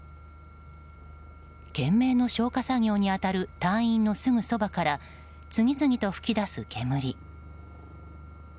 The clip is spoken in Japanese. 懸命の消火作業に当たる隊員のすぐそばから次々と噴き出す煙。